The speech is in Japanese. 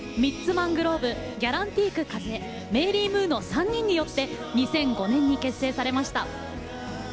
マングローブギャランティーク和恵メイリー・ムーの３人によって２００５年に結成されました。